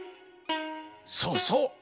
そうそう。